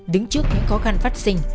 đứng trước những khó khăn phát sinh